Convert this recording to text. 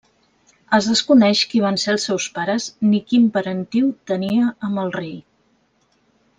Es desconeix qui van ser els seus pares ni quin parentiu tenia amb el rei.